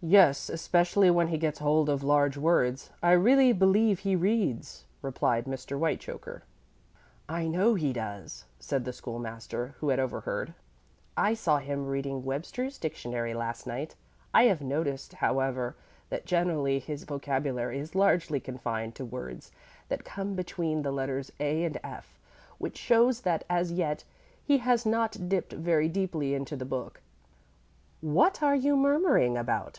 "Yes, especially when he gets hold of large words. I really believe he reads," replied Mr. Whitechoker. [Illustration: "'WHAT ARE THE FIRST SYMPTOMS OF INSANITY?'"] "I know he does," said the School master, who had overheard. "I saw him reading Webster's Dictionary last night. I have noticed, however, that generally his vocabulary is largely confined to words that come between the letters A and F, which shows that as yet he has not dipped very deeply into the book." "What are you murmuring about?"